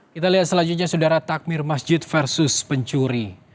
kita lihat selanjutnya saudara takmir masjid versus pencuri